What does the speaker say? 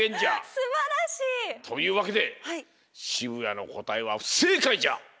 すばらしい！というわけで渋谷のこたえはふせいかいじゃ！